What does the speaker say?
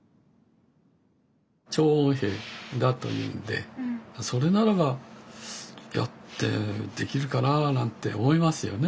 聴音兵だというんでそれならばやってできるかななんて思いますよね。